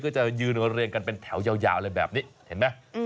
จะยืนเรียงกันเป็นแถวยาวเลยแบบนี้เห็นไหม